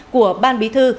của ban bí thư